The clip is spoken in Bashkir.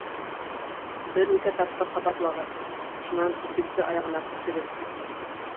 Бер нисә тапҡыр ҡабатлағыҙ, шунан икенсе аяғына күсегеҙ.